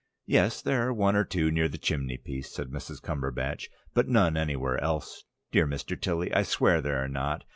"Yes, there are one or two near the chimney piece," said Mrs. Cumberbatch, "but none anywhere else. Dear Mr. Tilly, I swear there are not.